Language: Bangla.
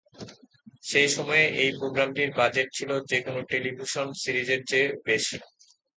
সেই সময়ে এই প্রোগ্রামটির বাজেট ছিল যে কোন টেলিভিশন সিরিজের চেয়ে বেশি।